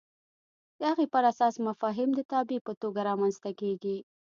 د هغې پر اساس مفاهیم د تابع په توګه رامنځته کېږي.